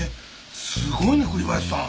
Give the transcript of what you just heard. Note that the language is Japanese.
すごいね栗林さん